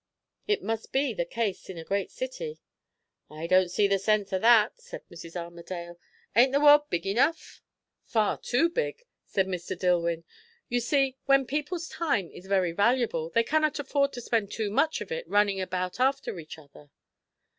"It must be the case in a great city." "I don't see the sense o' that," said Mrs. Armadale. "Ain't the world big enough?" "Far too big," said Mr. Dillwyn. "You see, when people's time is very valuable, they cannot afford to spend too much of it in running about after each other."